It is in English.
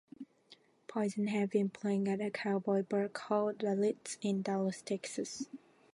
Poison had been playing at a cowboy bar called "The Ritz" in Dallas, Texas.